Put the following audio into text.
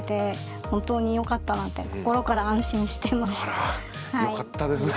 あらよかったですね。